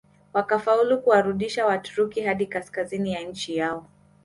Wakafaulu kuwarudisha Waturuki hadi kaskazini ya nchi yao